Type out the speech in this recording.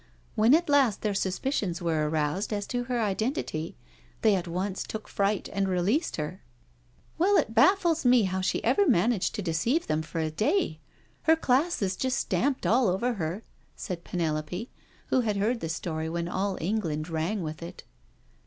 When at last their suspicions were aroused as to her identity, they at once took fright and released her." . THE PASSING OF THE WOMEN 321 *" Well, it bafSes me how she ever managed to deceive them for a day. Her class is just stamped all over her/' said Penelope, who had heard the story when all England rang with it.